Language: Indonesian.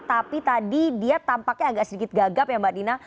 tapi tadi dia tampaknya agak sedikit gagap ya mbak dina